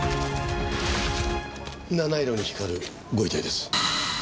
七色に光るご遺体です。